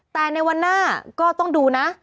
แต่ในวันหน้าก็ต้องดูนะ